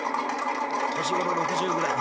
「年頃６０ぐらい」。